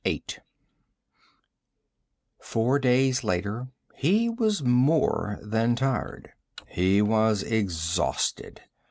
VIII Four days later, he was more than tired. He was exhausted.